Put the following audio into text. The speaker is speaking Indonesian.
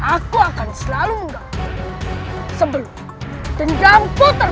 aku akan mencarimu